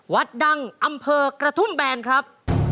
วัดดังอำเภอกระทุ่มแบนครับ